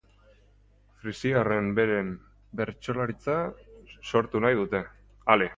Frisiarrek beren bertsolaritza sortu nahi dute.